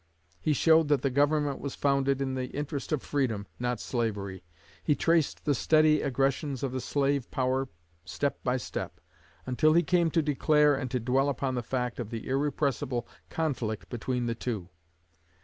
He showed that the government was founded in the interest of freedom, not slavery. He traced the steady aggressions of the slave power step by step, until he came to declare and to dwell upon the fact of the irrepressible conflict between the two.